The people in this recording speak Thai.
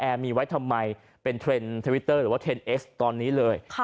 มีไว้ทำไมเป็นเทรนด์ทวิตเตอร์หรือว่าเทรนดเอสตอนนี้เลย